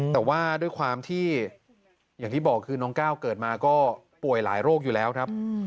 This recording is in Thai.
แต่ว่าด้วยความที่อย่างที่บอกคือน้องก้าวเกิดมาก็ป่วยหลายโรคอยู่แล้วครับ